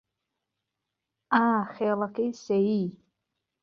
ئا خێڵهکهی سهیی